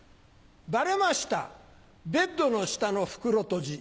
バレましたベッドの下の袋とじ。